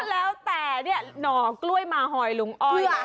แล้วแต่เนี่ยหน่อกล้วยมาหอยลุงอ้อย